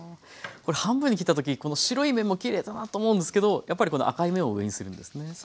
これ半分に切った時白い面もきれいだなと思うんですけどやっぱりこの赤い面を上にするんですね。